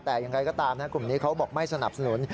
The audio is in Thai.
แต่อย่างไรก็ตามนะกลุ่มนี้เขาบอกไม่สนับสนุน